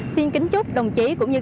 xin kính chúc đồng chí cũng như